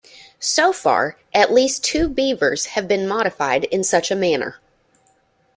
So far, at least two Beavers have been modified in such a manner.